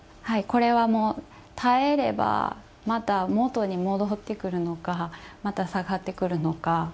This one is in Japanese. これはもう耐えればまた元に戻ってくるのかまた下がってくるのか。